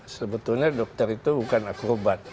sebetulnya dokter itu bukan akrobat